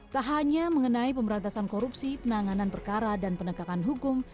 tak hanya mengenai pemberantasan korupsi penanganan perkara dan penegakan hukum